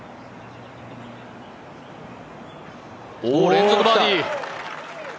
連続バーディー！